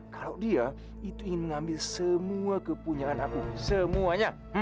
kalau dia itu ingin mengambil semua kepunyaan aku semuanya